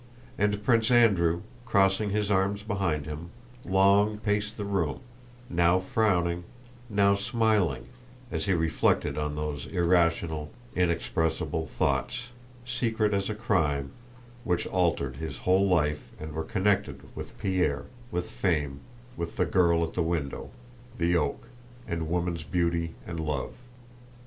And Prince Andrew, crossing his arms behind him, long paced the room, now frowning, now smiling, as he reflected on those irrational, inexpressible thoughts, secret as a crime, which altered his whole life and were connected with Pierre, with fame, with the girl at the window, the oak, and woman's beauty and love.